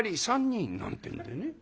「３人」なんてんでね。